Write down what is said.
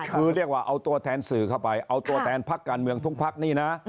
คือเรียกว่าเอาตัวแทนสื่อเข้าไปเอาตัวแทนพักการเมืองทุกพักนี่นะ